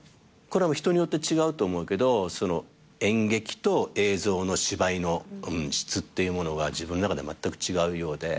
これは人によって違うと思うけど演劇と映像の芝居の質っていうものが自分の中でまったく違うようで。